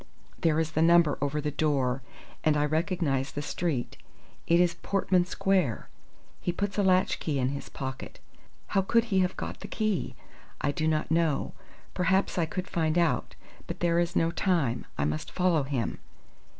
There is the number over the door, and I recognize the street. It is Portman Square. He puts a latchkey in his pocket. How could he have got the key? I do not know. Perhaps I could find out, but there is no time. I must follow him.